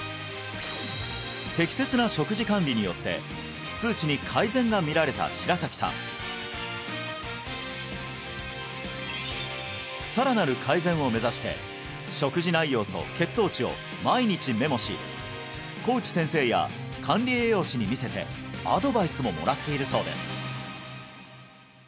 適切な食事管理によってさらなる改善を目指して食事内容と血糖値を毎日メモし小内先生や管理栄養士に見せてアドバイスももらっているそうです